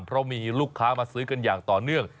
เพราะมีลูกค้ามาซื้อกันอย่างต่อเนื่อง